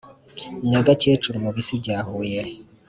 Nyagakecuru mu Bisi bya Huye